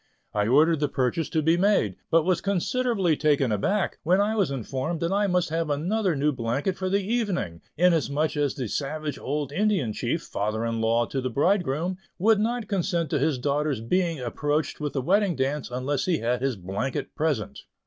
I ordered the purchase to be made; but was considerably taken aback, when I was informed that I must have another new blanket for the evening, inasmuch as the savage old Indian Chief, father in law to the bridegroom, would not consent to his daughter's being approached with the Wedding Dance unless he had his blanket present.